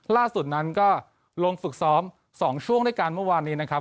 ล่าสุดนั้นก็ลงฝึกซ้อม๒ช่วงด้วยกันเมื่อวานนี้นะครับ